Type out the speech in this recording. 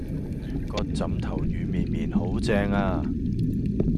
個枕頭軟綿綿好正呀